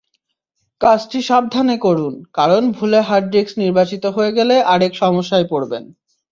কাজটি সাবধান করুন কারণ ভুলে হার্ডডিস্ক নির্বাচিত হয়ে গেলে আরেক সমস্যায় পড়বেন।